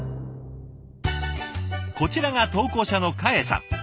こちらが投稿者の嘉英さん。